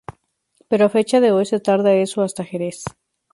Pero a fecha de hoy se tarda eso hasta Jerez.